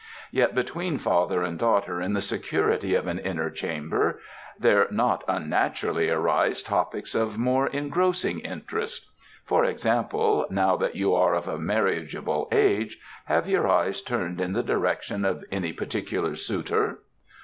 Yet between father and daughter in the security of an inner chamber there not unnaturally arise topics of more engrossing interest. For example, now that you are of a marriageable age, have your eyes turned in the direction of any particular suitor?"